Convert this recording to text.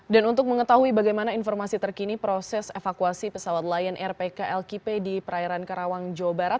dan untuk mengetahui bagaimana informasi terkini proses evakuasi pesawat lion air pkl kp di perairan karawang jawa barat